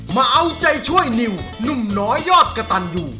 มาเอาใจช่วยนิวหนุ่มน้อยยอดกระตันอยู่